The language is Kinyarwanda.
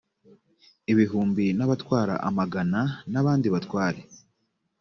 ibihumbi n abatwara amagana n abandi batware